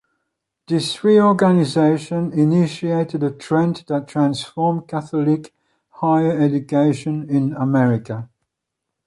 This reorganization initiated a trend that transformed Catholic higher education in America.